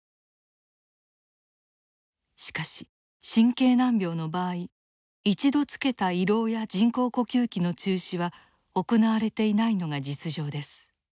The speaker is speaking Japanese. しかし神経難病の場合一度つけた胃ろうや人工呼吸器の中止は行われていないのが実情です。